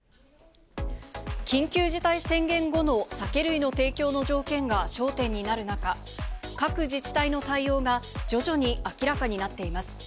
緊急事態宣言後の酒類の提供の条件が焦点になる中、各自治体の対応が、徐々に明らかになっています。